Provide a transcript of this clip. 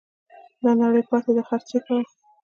دا نړۍ پاته ده خرچې کوه